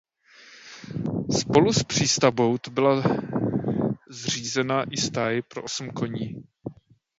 Spolu s přístavbou to byla zřízena i stáj pro osm koní.